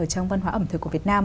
trong văn hóa ẩm thực của việt nam